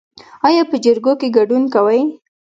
ایا په جرګو کې ګډون کوئ؟